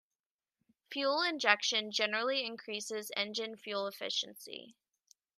Fuel injection generally increases engine fuel efficiency.